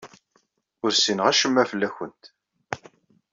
Ur ssineɣ acemma fell-awent.